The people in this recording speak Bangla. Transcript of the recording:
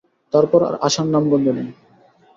তারপর আর আসার নামগন্ধ নেই।